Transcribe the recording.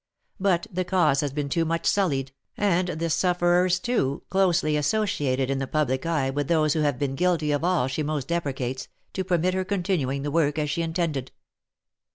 But the cause has been too much sullied, and the sufferers too closely associated in the public eye with those who have been guilty of all she most deprecates, to permit her continuing the work as she intended.